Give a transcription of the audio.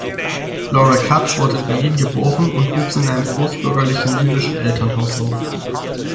Lore Katz wurde in Berlin geboren und wuchs in einem großbürgerlichen jüdischen Elternhaus auf.